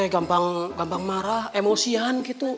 gampang gampang marah emosian gitu